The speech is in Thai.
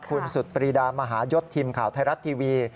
คุณสุดปรีดามหายศทีมข่าวไทยรัฐทีวี